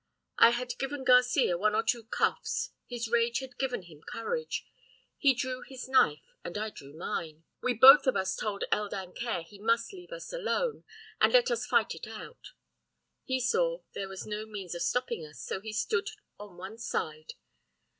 I had given Garcia one or two cuffs, his rage had given him courage, he drew his knife, and I drew mine. We both of us told El Dancaire he must leave us alone, and let us fight it out. He saw there was no means of stopping us, so he stood on one side.